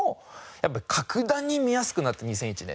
やっぱり格段に見やすくなって２００１年。